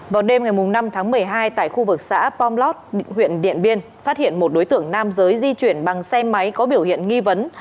vào đêm ngày năm tháng một mươi hai tại khu vực xã pomlot huyện điện biên phát hiện một đối tượng nam giới di chuyển bằng xe máy có biểu hiện nghi vấn